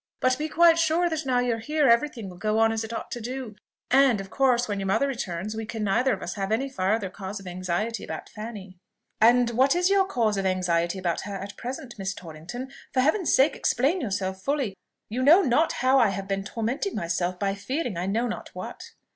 But be quite sure that now you are here every thing will go on as it ought to do; and of course, when your mother returns, we can neither of us have any farther cause of anxiety about Fanny." "And what is your cause of anxiety about her at present, Miss Torrington? For Heaven's sake explain yourself fully; you know not how I have been tormenting myself by fearing I know not what."